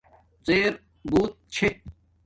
زیر بوت چھ